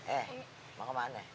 eh mau ke mana